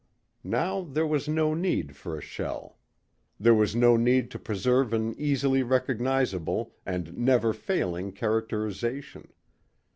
Now there was no need for a shell. There was no need to preserve an easily recognizable and never failing characterization.